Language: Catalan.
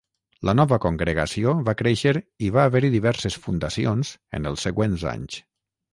La nova congregació va créixer i va haver-hi diverses fundacions en els següents anys.